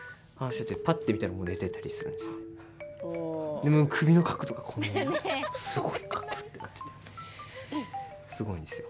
眠い時、その時に首の角度がこんなすごい、かくってなっててすごいんですよ。